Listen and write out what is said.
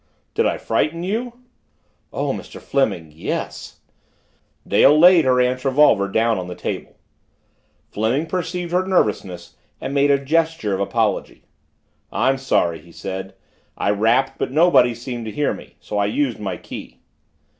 "Did I frighten you?" "Oh, Mr. Fleming yes!" Dale laid her aunt's revolver down on the table. Fleming perceived her nervousness and made a gesture of apology. "I'm sorry," he said, "I rapped but nobody seemed to hear me, so I used my key."